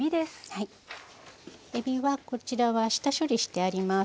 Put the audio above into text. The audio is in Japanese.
えびはこちらは下処理してあります。